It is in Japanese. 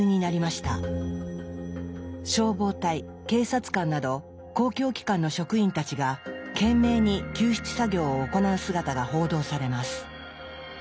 消防隊警察官など公共機関の職員たちが懸命に救出作業を行う姿が報道されます。